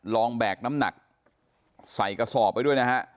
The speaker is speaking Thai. แบกน้ำหนักใส่กระสอบไปด้วยนะฮะ